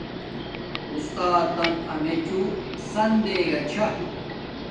اُستاتن امیچوں سن دیگا چھا